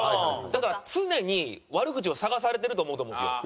だから常に悪口を探されてると思うと思うんですよ